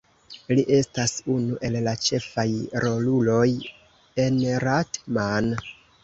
Li estas unu el la ĉefaj roluloj en Rat-Man.